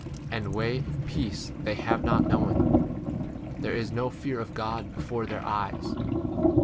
and way of peace they have not 18 known : there is no fear of God 19 before their eyes.